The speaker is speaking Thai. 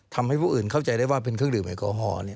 ทำให้ผู้อื่นเข้าใจได้ว่าเป็นเครื่องดื่มแอลกอฮอล์